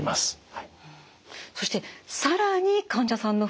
はい。